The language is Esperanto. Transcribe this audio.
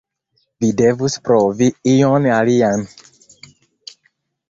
Vi devus provi ion alian.